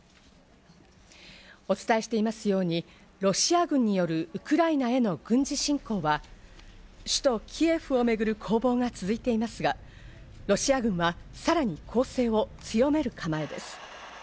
お伝えしていますように、ロシア軍によるウクライナへの軍事侵攻は、首都キエフをめぐる攻防が続いていますが、ロシア軍は、さらに攻勢を強める構えです。